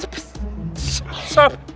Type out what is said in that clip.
amin ya allah